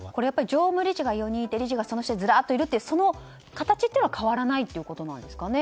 常務理事が４人いてその下に理事がずらっといるという形は変わらないということですかね